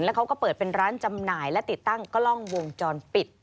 เขาก็เปิดเป็นร้านจำหน่ายและติดตั้งกล้องวงจรปิด